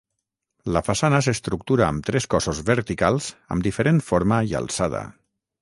La façana s'estructura amb tres cossos verticals amb diferent forma i alçada.